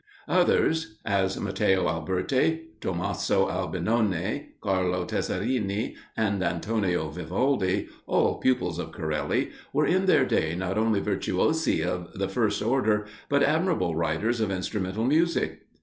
Others, as Matteo Alberti, Tommaso Albinoni, Carlo Tessarini, and Antonio Vivaldi, all pupils of Corelli, were in their day not only virtuosi of the first order, but admirable writers of instrumental music.